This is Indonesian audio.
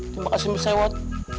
terima kasih mbak sewot